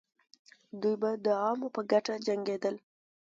دوی به د عوامو په ګټه جنګېدل.